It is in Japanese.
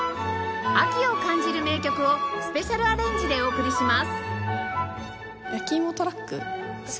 秋を感じる名曲をスペシャルアレンジでお送りします